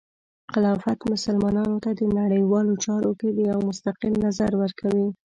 خلافت مسلمانانو ته د نړیوالو چارو کې د یو مستقل نظر ورکوي.